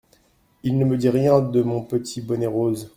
Il ne me dit rien de mon petit bonnet rose.